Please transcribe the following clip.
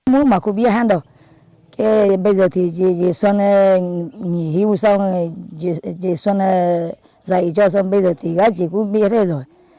mua mà cũng biết hát được bây giờ thì dì xuân nghỉ hưu xong dì xuân dạy cho xong bây giờ thì các chị cũng biết hết rồi